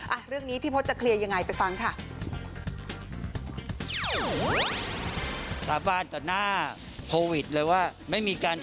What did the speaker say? อ่ะเรื่องนี้พี่พศจะเคลียร์ยังไงไปฟังค่ะ